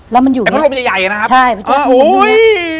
แล้วมันอยู่ไอ้พัดลมใหญ่นะครับใช่พระเจ้าอ๋อโอ้ย